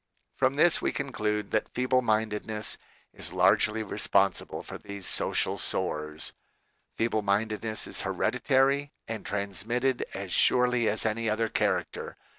From this we conclude that feeble mi ndedness is largely responsible for these social sores. WHAT IS TO BE DONE? 117 Feeble mindedness is hereditary and transmitted as surely as any other character.